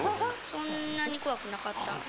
そんなに怖くなかった。